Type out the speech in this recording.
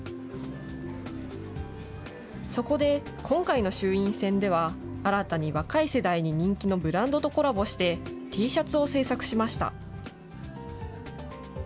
そこで、今回の衆院選では、新たに若い世代に人気のブランドとコラボして、Ｔシャツを制作しました。